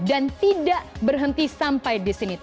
tidak berhenti sampai di sini